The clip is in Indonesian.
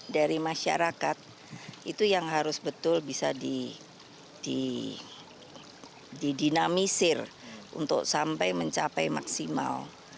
dari masyarakat itu yang harus betul bisa didinamisir untuk sampai mencapai maksimal